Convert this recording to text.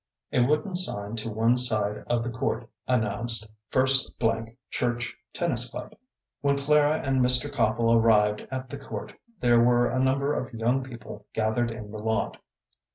A wooden sign to one side of the court announced, "First Church Tennis Club." When Clara and Mr. Copple arrived at the court there were a number of young people gathered in the lot.